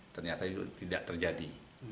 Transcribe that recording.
ternyata itu tidak terjadi